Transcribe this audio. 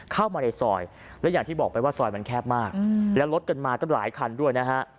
เข้ามาในซอยและอย่างที่บอกไปว่าซอยมันแคบมากแล้วรถกันมาก็หลายคันด้วยนะฮะ